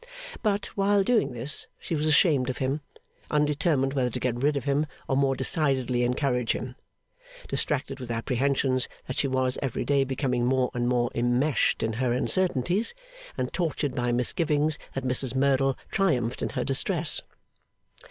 But, while doing this, she was ashamed of him, undetermined whether to get rid of him or more decidedly encourage him, distracted with apprehensions that she was every day becoming more and more immeshed in her uncertainties, and tortured by misgivings that Mrs Merdle triumphed in her distress.